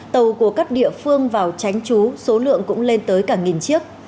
tàu của các địa phương vào tránh trú số lượng cũng lên tới cả nghìn chiếc